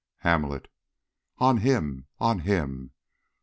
Hamlet. On him! On him!